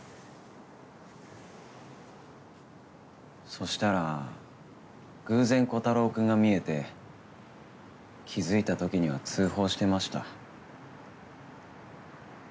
そしたら偶然コタローくんが見えて気づいた時には通報してました。